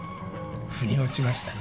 腑に落ちましたね